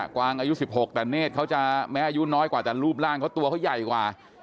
กวางอายุ๑๖แต่เนธเขาจะแม้อายุน้อยกว่าแต่รูปร่างเขาตัวเขาใหญ่กว่า